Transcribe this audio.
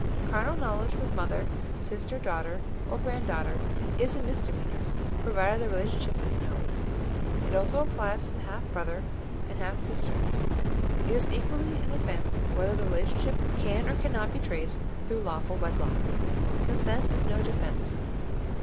Carnal knowledge with mother, sister, daughter, or grand daughter, is a misdemeanour, provided the relationship is known. It also applies to the half brother and half sister. It is equally an offence whether the relationship can or cannot be traced through lawful wedlock. Consent is no defence.